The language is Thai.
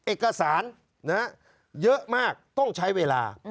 เอกสารเยอะมากต้องใช้เวลา